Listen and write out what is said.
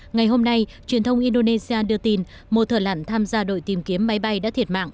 ngày hôm nay truyền thông indonesia đưa tin một thờ lặn tham gia đội tìm kiếm máy bay đã thiệt mạng